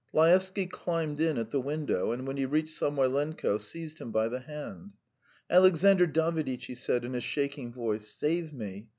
..." Laevsky climbed in at the window, and when he reached Samoylenko, seized him by the hand. "Alexandr Daviditch," he said in a shaking voice, "save me!